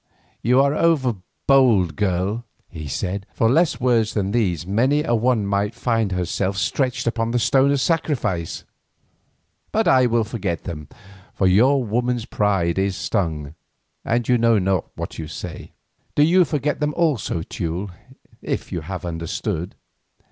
"You are over bold, girl," he said; "for less words than these many a one might find herself stretched upon the stone of sacrifice. But I will forget them, for your woman's pride is stung, and you know not what you say. Do you forget them also, Teule, if you have understood."